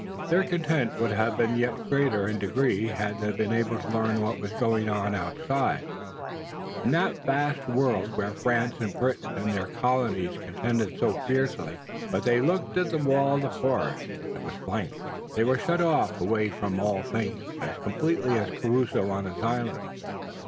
Their content would have been yet greater in degree had they been able to learn what was going on outside, in that vast world where France and Britain and their colonies contended so fiercely for the mastery. But they looked at the wall of the forest, and it was a blank. They were shut away from all things as completely as Crusoe on his island.